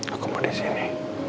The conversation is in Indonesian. aku mau di sini